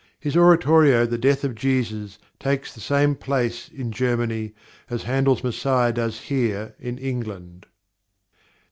His oratorio The Death of Jesus takes the same place in Germany as Handel's Messiah does here in England.